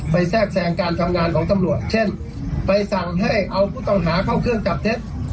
แทรกแทรงการทำงานของตำรวจเช่นไปสั่งให้เอาผู้ต้องหาเข้าเครื่องจับเท็จ